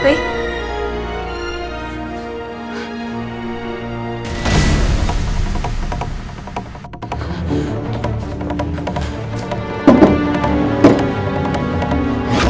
dia kau gg